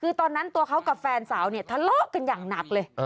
คือตอนนั้นตัวเขากับแฟนสาวเนี่ยทะเลาะกันอย่างหนักเลย